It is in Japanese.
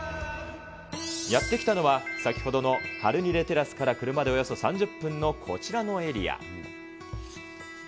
やって来たのは、先ほどのハルニレテラスから車でおよそ３０分のこちらのエリア。